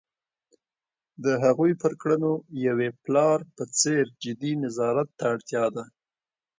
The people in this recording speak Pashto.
د هغوی پر کړنو یوې پلار په څېر جدي نظارت ته اړتیا ده.